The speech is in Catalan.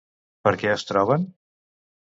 Per què es troben?